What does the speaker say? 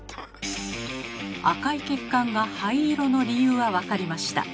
赤い血管が灰色の理由は分かりました。